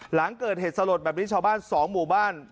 หลังเกิดเหตุสลดแบบนี้ชาวบ้าน๒หมู่บ้าน